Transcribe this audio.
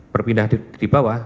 berpindah di bawah